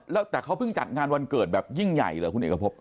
แล้วแต่เขาเพิ่งจัดงานวันเกิดแบบยิ่งใหญ่เหรอคุณเอกพบ